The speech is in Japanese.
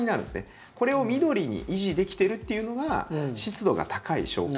これを緑に維持できてるっていうのが湿度が高い証拠。